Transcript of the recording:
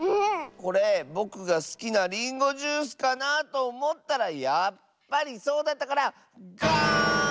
これぼくがすきなリンゴジュースかなとおもったらやっぱりそうだったからガーン！